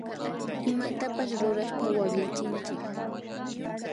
Imatapash rurashpa waklichinchik